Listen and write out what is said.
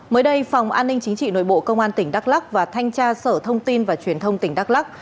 mới đây phòng an ninh chính trị nội bộ công an tỉnh đắk lắc và thanh tra sở thông tin và truyền thông tỉnh đắk lắc